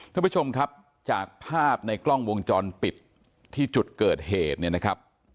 ท่านผู้ชมครับจากภาพในกล้องวงจรปิดที่จุดเกิดเหตุเนี่ยนะครับ